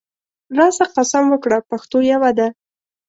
راسه قسم وکړو پښتو یوه ده